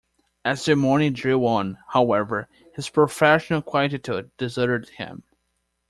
As the morning drew on, however, his professional quietude deserted him.